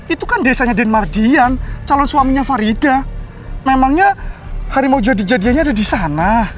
itu kan desanya den mardian calon suaminya farida memangnya hari mau jadi jadiannya ada di sana